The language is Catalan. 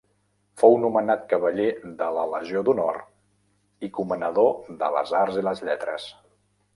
Fou nomenat cavaller de la Legió d'Honor i comanador de les Arts i les Lletres.